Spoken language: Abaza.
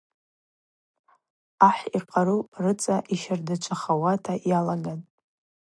Ахӏ йкъару рыцӏа йщардачвахауа йалагатӏ.